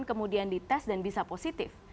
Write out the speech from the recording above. kemudian dites dan bisa positif